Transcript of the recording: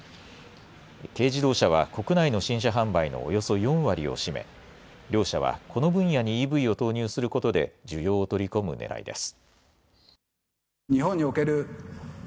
軽自動車は国内の新車販売のおよそ４割を占め、両社はこの分野にＥＶを投入することで需要を取り込むねらいです。